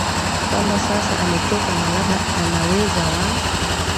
kwamba sasa amechoka na labda anaweza wa